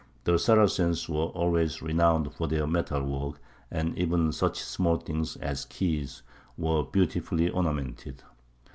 The Saracens were always renowned for their metal work, and even such small things as keys were beautifully ornamented.